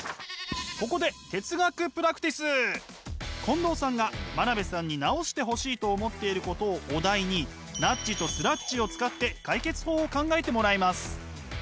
ここで近藤さんが真鍋さんに直してほしいと思っていることをお題にナッジとスラッジを使って解決法を考えてもらいます。